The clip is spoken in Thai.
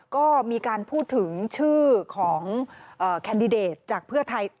ก็มีการพูดถึงชื่อของแคนดิเดตจากเพื่อไทย